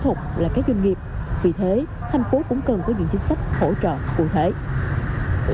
trường tư thực là cái doanh nghiệp vì thế thành phố cũng cần có những chính sách hỗ trợ cụ thể